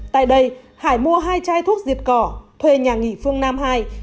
tại đây hải mua hai chai thuốc diệt cỏ thuê nhà nghỉ phương nam hai